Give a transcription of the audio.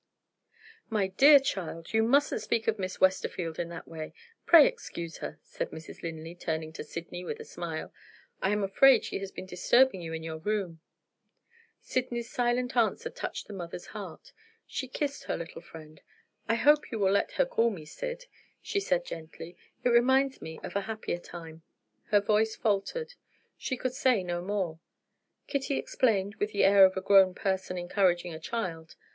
"My dear child, you mustn't speak of Miss Westerfield in that way! Pray excuse her," said Mrs. Linley, turning to Sydney with a smile; "I am afraid she has been disturbing you in your room." Sydney's silent answer touched the mother's heart; she kissed her little friend. "I hope you will let her call me Syd," she said gently; "it reminds me of a happier time." Her voice faltered; she could say no more. Kitty explained, with the air of a grown person encouraging a child.